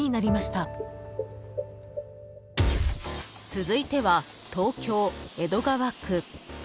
［続いては東京江戸川区］